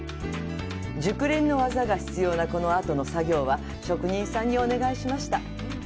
熟練の技が必要なこの後の作業は職人さんにお願いしました。